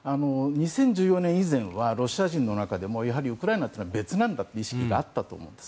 ２０１４年以前はロシア人の中でもやはりウクライナは別なんだという認識があったんです。